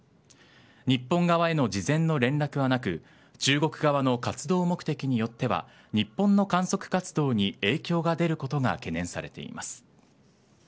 日本側への事前の連絡はなく中国側の活動目的によっては日本の観測活動に影響が出ることが懸念されています。